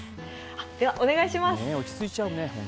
では、お願いします。